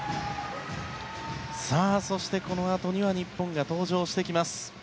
そして、このあとには日本が登場してきます。